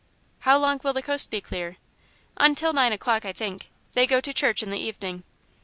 "How long will the coast be clear?" "Until nine o'clock, I think. They go to church in the evening."